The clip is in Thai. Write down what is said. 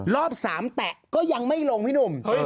รอบ๓แตะก็ยังไม่ลงพี่หนุ่ม